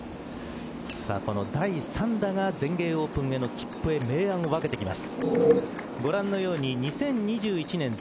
この第３打が全英オープンへの切符への明暗を分けてきます。